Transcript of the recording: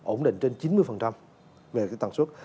ổn định trên chín mươi về tăng suất